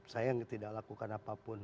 saya tidak lakukan apapun